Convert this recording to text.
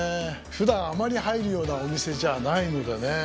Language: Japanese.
普段あまり入るようなお店じゃないのでね。